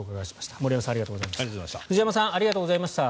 森山さん、藤山さんありがとうございました。